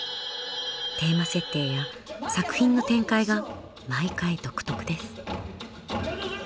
テーマ設定や作品の展開が毎回独特です。